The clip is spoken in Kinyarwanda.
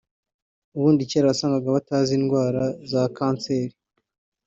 ubundi kera wasangaga batazi indwara za kanseri